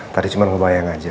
tadi cuma ngebayang aja